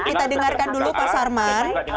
kita dengarkan dulu pak sarman